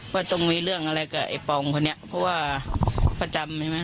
ต้องมีเรื่องอะไรกับไอ้ปองคนนี้เพราะว่าประจำใช่ไหม